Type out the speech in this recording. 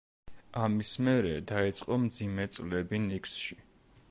ამის მერე დაიწყო მძიმე წლები ნიქსში.